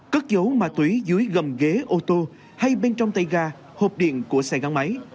cất dấu ma túy dưới gầm ghế ô tô hay bên trong tay ga hộp điện của xe gắn máy